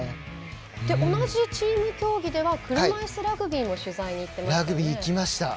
同じチーム競技では車いすラグビーの取材に行っていましたね。